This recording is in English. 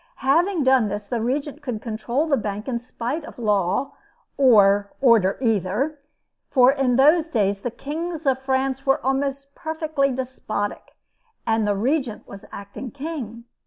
Having done this, the Regent could control the bank in spite of Law (or order either); for, in those days, the kings of France were almost perfectly despotic, and the Regent was acting king.